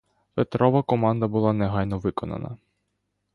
Петрова команда була негайно виконана.